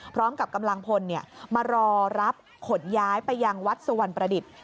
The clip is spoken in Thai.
พร้อมกับกำลังพลมารอรับขนย้ายไปยังวัดสุวรรณประดิษฐ์